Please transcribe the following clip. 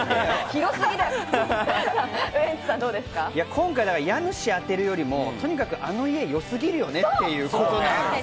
今回、家主当てるよりもとにかく、あの家よすぎるよねっていう。